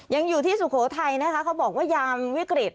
ยังอยู่ที่สุโขทัยนะคะเขาบอกว่ายามวิกฤต